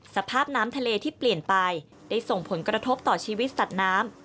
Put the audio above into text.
สภาพน้ำทะเลที่เปลี่ยนไปได้ส่งผลกระทบต่อชีวิตสัตว์น้ำ